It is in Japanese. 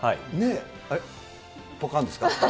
あれ、ぽかんですか？